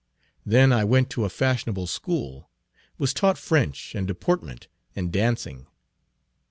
Then I went to a fashionable school, was taught French, and deportment, and dancing.